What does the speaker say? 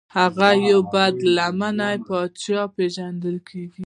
هغه یو بد لمنی پاچا پیژندل کیږي.